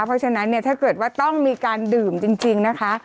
เพราะฉะนั้นเนี่ยถ้าเกิดว่าต้องมีการดื่มจริงนะคะ